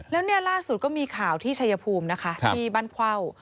และร่าสุดก็มีข่าวที่ชายพูอมที่บ้านพว่าว